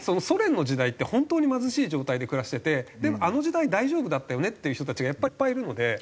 ソ連の時代って本当に貧しい状態で暮らしててでもあの時代大丈夫だったよねっていう人たちがやっぱりいっぱいいるので。